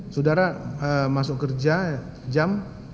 saudara masuk kerja jam